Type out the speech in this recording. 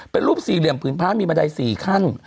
เป็นรูปสี่เหลี่ยมผืนผ้ามีบันได๔ขั้น